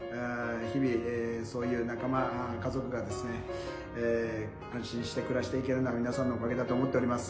日々、そういう仲間、家族がですね、安心して暮らしていけるのは、皆さんのおかげだと思っております。